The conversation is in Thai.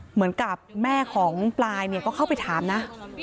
เหมือนกับแม่ของปลายเนี่ยก็เข้าไปถามนะ